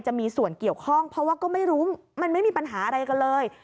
จะมีส่วนเกี่ยวข้องเพราะว่าก็ไม่รู้มันไม่มีปัญหาอะไรกันเลย